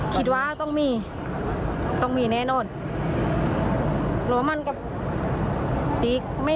ถ้าเป็นไปได้